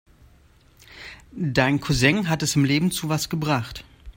Dein Cousin hat es im Leben zu was gebracht.